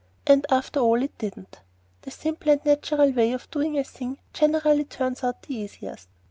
And after all, it didn't. The simple and natural way of doing a thing generally turns out the easiest.